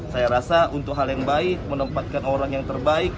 saya rasa untuk hal yang baik menempatkan orang yang terbaik